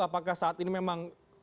apakah saat ini memang